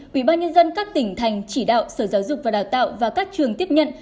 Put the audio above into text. quỹ ban nhân dân các tỉnh thành chỉ đạo sở giáo dục và đào tạo và các trường tiếp nhận